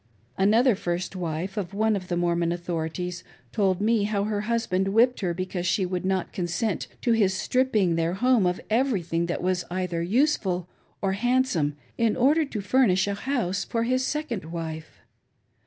Another first wife of one of the Mormon authorities told me how her husband whipped her because she would not consent to his stripping their home of everything that was either useful or handsome in order to furnish a house for' his second wife.